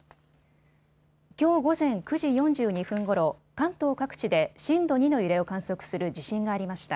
きょう午前９時４２分ごろ、関東各地で震度２の揺れを観測する地震がありました。